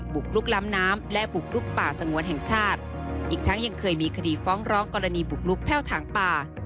บุกลุกแพ่วทางป่า